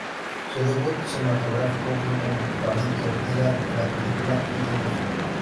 Su debut cinematográfico fue con Palito Ortega, en la película "Yo tengo fe".